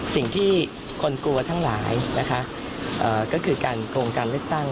สิ่งที่คนกลัวทั้งหลายนะคะก็คือการโครงการเลือกตั้ง